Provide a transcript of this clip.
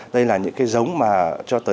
đây là những giống mà cho tới